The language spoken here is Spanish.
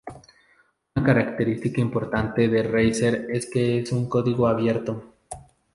Una característica importante de Racer es que es en código abierto.